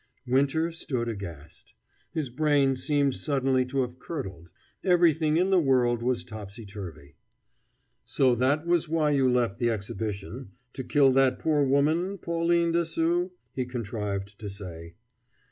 Winter stood aghast. His brain seemed suddenly to have curdled; everything in the world was topsy turvy. "So that was why you left the Exhibition to kill that poor woman, Pauline Dessaulx?" he contrived to say.